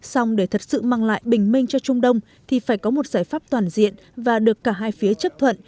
xong để thật sự mang lại bình minh cho trung đông thì phải có một giải pháp toàn diện và được cả hai phía chấp thuận